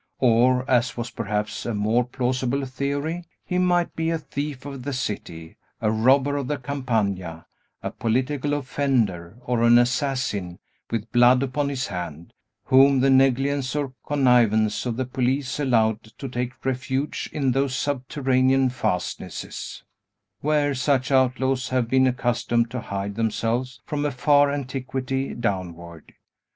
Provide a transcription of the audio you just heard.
Or, as was perhaps a more plausible theory, he might be a thief of the city, a robber of the Campagna, a political offender, or an assassin, with blood upon his hand; whom the negligence or connivance of the police allowed to take refuge in those subterranean fastnesses, where such outlaws have been accustomed to hide themselves from a far antiquity downward.